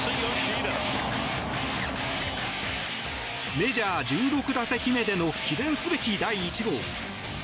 メジャー１６打席目での記念すべき第１号。